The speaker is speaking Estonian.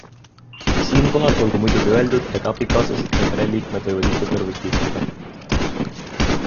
Siinkohal olgu muidugi öeldud, et abikaasasid ja pereliikmed võivad ikka kõrvuti istuda.